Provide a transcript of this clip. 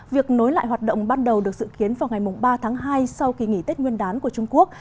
việc nối lại hoạt động ban đầu được dự kiến vào ngày ba tháng hai sau kỳ nghỉ tết nguyên đán của trung quốc